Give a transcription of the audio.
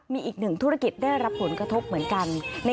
มีอีกหนึ่งธุรกิจได้รับผลกระทบเหมือนกัน